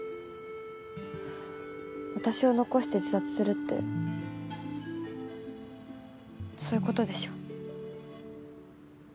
私を残して自殺するってそういうことでしょ。